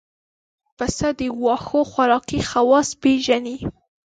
پسه د واښو خوراکي خواص پېژني.